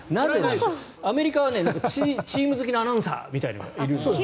アメリカはチーム付きのアナウンサーというのがいるんです。